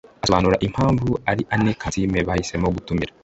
Asobanura impamvu ari Anne Kansiime bahisemo gutumira